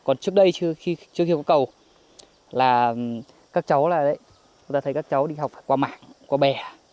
còn trước đây trước khi có cầu các cháu đi học phải qua mạng qua bè